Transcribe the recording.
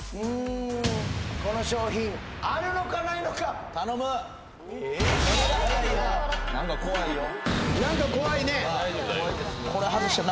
うんこの商品あるのかないのか頼む！